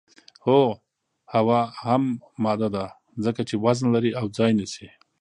هو هوا هم ماده ده ځکه چې وزن لري او ځای نیسي